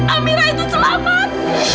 amira itu selamat